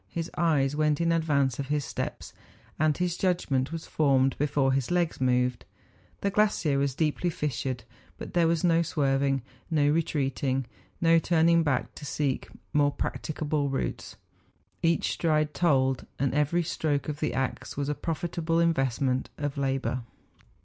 His eyes went in advance of his steps ; and his judgment was formed before his legs moved. The glacier was deeply fissured; but there was no swerving, no re¬ treating, no turning back to seek more practicable routes; each stride told, and every stroke of the axe was a profitable investment of labour.